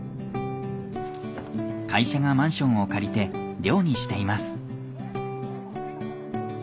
会社がマンションを借りて寮にしています。